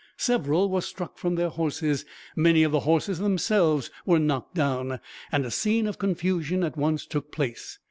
Several were struck from their horses; many of the horses, themselves, were knocked down; and a scene of confusion at once took place.